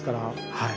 はい。